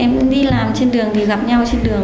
em đi làm trên đường thì gặp nhau trên đường